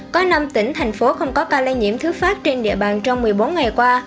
có năm tỉnh thành phố không có ca lây nhiễm thứ phát trên địa bàn trong một mươi bốn ngày qua